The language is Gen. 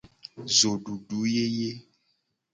Zodudu yeye.